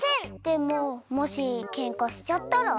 でももしケンカしちゃったら？